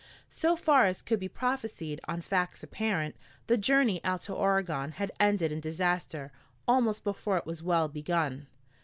So far as could be prophesied on facts apparent, the journey out to Oregon had ended in disaster almost before it was well begun.